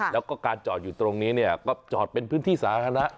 แล้วก็การจอดอยู่ตรงนี้เนี่ยก็จอดเป็นพื้นที่สาธารณะ